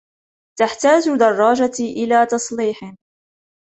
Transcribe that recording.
تحتاج دراجتي إلى تصليح.